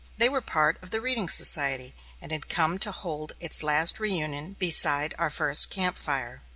They were part of the reading society, and had come to hold its last reunion beside our first camp fire.